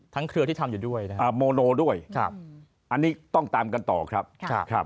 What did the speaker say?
ทั้งเครือที่ทำอยู่ด้วยนะครับครับโมโนด้วยอันนี้ต้องตามกันต่อครับครับครับ